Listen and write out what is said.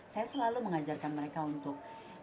saya selalu mengajarkan mereka untuk